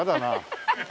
ハハハハ！